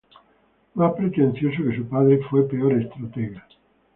Más pretencioso que su padre, fue peor estratega.